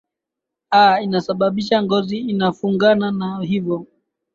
a inasababisha ngozi inafugana na hivo